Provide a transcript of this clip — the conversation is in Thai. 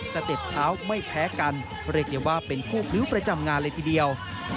เต็ปเท้าไม่แพ้กันเรียกได้ว่าเป็นคู่พริ้วประจำงานเลยทีเดียว